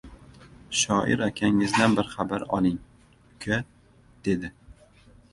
— Shoir akangizdan bir xabar oling, uka, — dedi.